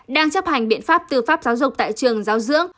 đang chấp hành biện pháp tư pháp giáo dục tại trường giáo dưỡng